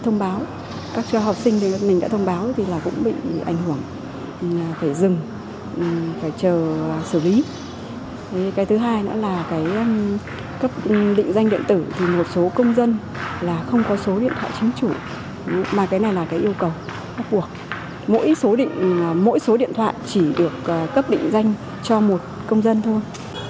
mà cái này là cái yêu cầu mỗi số điện thoại chỉ được cấp định danh cho một công dân thôi